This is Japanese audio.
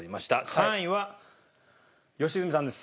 ３位は良純さんです。